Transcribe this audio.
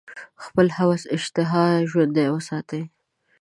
خپل هوس اشتها ژوندۍ وساتي.